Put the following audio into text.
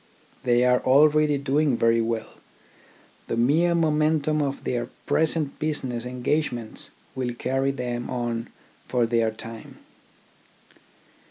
They are already TECHNICAL EDUCATION 33 doing very well, the mere momentum of their present business engagements will carry them on for their time.